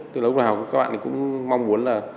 tức là lúc nào các bạn ấy cũng mong muốn là